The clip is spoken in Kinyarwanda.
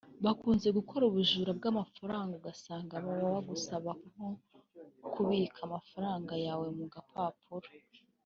bakunze gukora ubujura bw’amafaranga usanga baba bagusaba nko kubika amafaranga yawe mu gapapuro